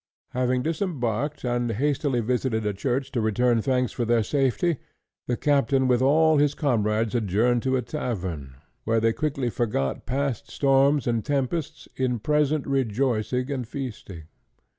Having disembarked, and hastily visited a church to return thanks for their safety, the captain with all his comrades adjourned to a tavern, where they quickly forgot past storms and tempests in present rejoicing and feasting.